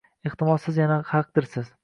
Ehtimol, siz yana haqdirsiz.